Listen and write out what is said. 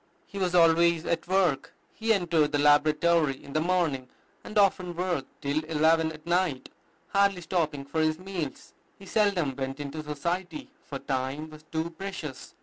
He was always at work. He entered the laboratory in the morning, and often worked till eleven at night, hardly stopping for his meals. He seldom went into society, for time was too precious.